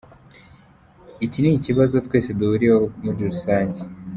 Iki ni ikibazo twese duhuriyeho muri rusange.